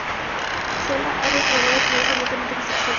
Zelda ha declarado que es abiertamente bisexual.